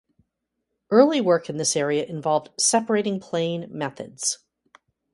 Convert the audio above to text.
Early work in this area involved "separating plane" methods.